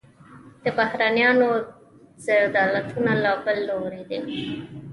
د بهرنیانو رذالتونه له بل لوري دي.